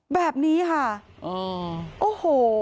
แบบนี้ค่ะโอ้โห